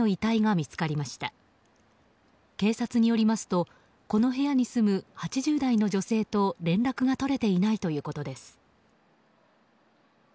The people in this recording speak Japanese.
警察によりますとこの部屋に住む８０代の女性と連絡が取れていないということです。